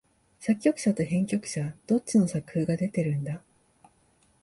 作曲者と編曲者、どっちの作風が出てるんだ？